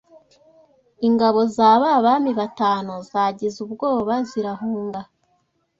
ingabo za ba bami batanu zagize ubwobazirahunga